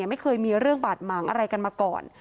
ไม่เคยมีเรื่องบาดหมางอะไรกันมาก่อน